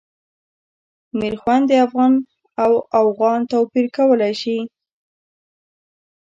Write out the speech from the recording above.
میرخوند د افغان او اوغان توپیر کولای شي.